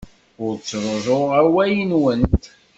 Ur ttruẓuɣ awal-nwent.